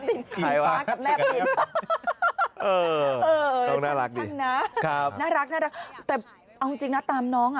อิ่งฟ้ากับแนบดินต้องน่ารักดิน่ารักแต่เอาจริงนะตามน้อง